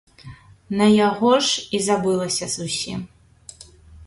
На яго ж і забылася зусім.